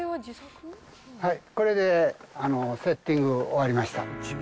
これでセッティング終わりました。